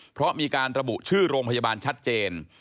เพราะมีการระบุชื่อโรงพยาบาลชัดเจน